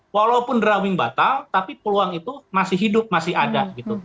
walaupun drawing batal tapi peluang itu masih hidup masih ada